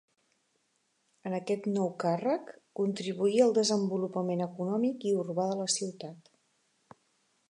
En aquest nou càrrec contribuí al desenvolupament econòmic i urbà de la ciutat.